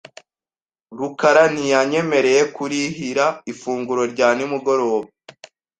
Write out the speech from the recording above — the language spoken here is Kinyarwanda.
rukara ntiyanyemereye kurihira ifunguro rya nimugoroba .